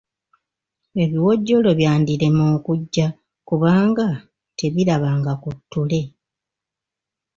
Ebiwojjolo byandirema okujja kubanga tebirabanga ku ttule.